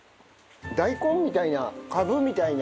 大根みたいなカブみたいな。